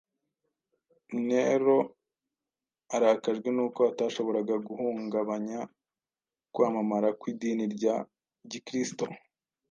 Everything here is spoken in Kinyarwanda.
Nero arakajwe n’uko atashoboraga guhungabanya kwamamara kw’idini ya Gikristo,